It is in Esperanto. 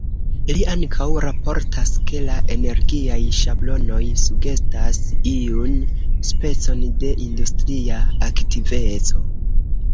Li ankaŭ raportas, ke la energiaj ŝablonoj sugestas iun specon de industria aktiveco.